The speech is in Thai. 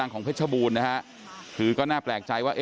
คือก็น่าแปลกใจว่า